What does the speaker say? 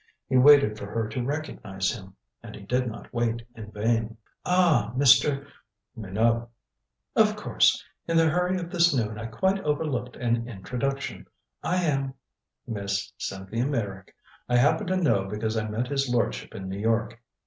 He waited for her to recognize him and he did not wait in vain. "Ah, Mr. " "Minot." "Of course. In the hurry of this noon I quite overlooked an introduction. I am " "Miss Cynthia Meyrick. I happen to know because I met his lordship in New York.